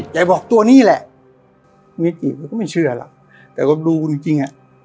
ยายบอกตัวนี้แหละเมจิมันก็ไม่เชื่อหรอกแต่ก็รู้จริงจริงอ่ะ